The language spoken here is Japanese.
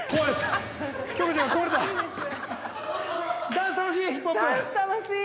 ◆ダンス、楽しい？